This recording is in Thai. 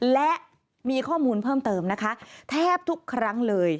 และมีข้อมูลเพิ่มเติมนะคะแทบทุกครั้งเลย